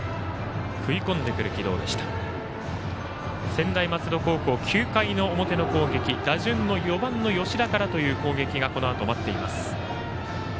専大松戸高校の攻撃打順の４番の吉田からという攻撃がこのあと待っています。